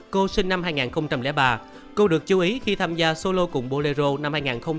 cô sinh năm hai nghìn ba cô được chú ý khi tham gia solo cùng bolero năm hai nghìn một mươi